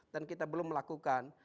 dan kita belum melakukan